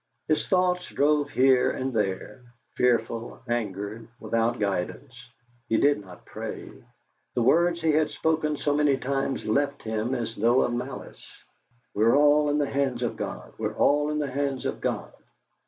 His thoughts drove here and there, fearful, angered, without guidance; he did not pray. The words he had spoken so many times left him as though of malice. "We are all in the hands of God! we are all in the hands of God!"